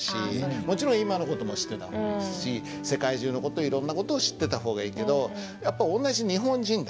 もちろん今の事も知ってた方がいいし世界中の事いろんな事を知ってた方がいいけどやっぱ同じ日本人だし。